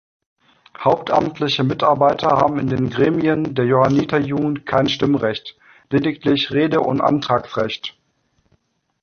Hauptamtliche Mitarbeiter haben in den Gremien der Johanniter-Jugend kein Stimmrecht, lediglich Rede- und Antragsrecht.